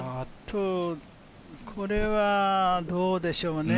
これはどうでしょうね？